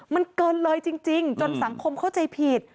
มันเกินเลยจริงจนสังคมเข้าใจผิด